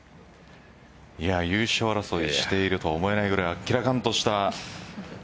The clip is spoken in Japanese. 優勝争いをしていると思えないぐらいあっけらかんとした。